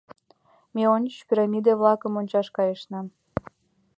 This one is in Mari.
Ме эн ончыч пирамиде-влакым ончаш кайышна.